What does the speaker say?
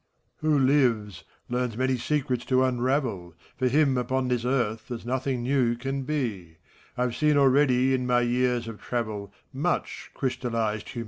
MEPHISTOPHELES. Who lives, learns many secrets to unravel; For him, upon this earth, there's nothing new can be : I've seen already, in my years of travel, Much crystallized humanity.